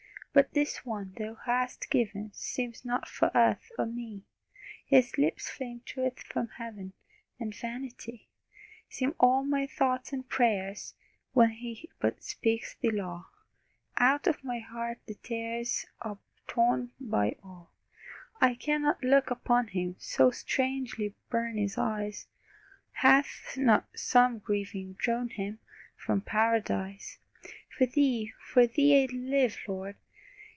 But this one Thou hast given Seems not for earth or me! His lips flame truth from heaven, And vanity Seem all my thoughts and prayers When He but speaks Thy Law; Out of my heart the tares Are torn by awe! I cannot look upon Him, So strangely burn His eyes Hath not some grieving drawn Him From Paradise? For Thee, for Thee I'd live, Lord!